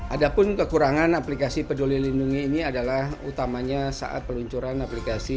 ada pun kekurangan aplikasi peduli lindungi ini adalah utamanya saat peluncuran aplikasi